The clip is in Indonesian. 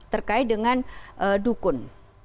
terkait dengan dukun